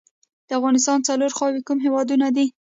د افغانستان څلور خواوې کوم هیوادونه دي؟